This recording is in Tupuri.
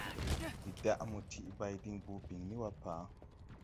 Ndi daʼ mo tiʼ bay diŋ boo biŋni wa pa?